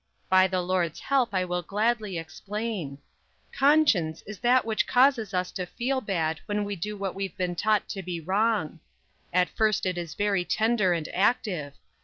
By the Lord's help, I will gladly explain. Conscience is that which causes us to feel bad when we do what we've been taught to be wrong. At first it is very tender and active.